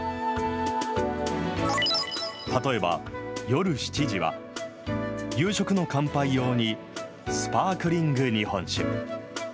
例えば、夜７時は、夕食の乾杯用にスパークリング日本酒。